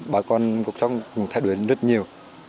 bà con cũng thay đổi rất nhiều